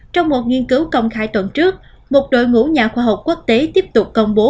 trong một nghiên cứu công khai tuần trước một đội ngũ nhà khoa học quốc tế tiếp tục công bố